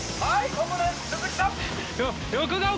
ここで鈴木さん！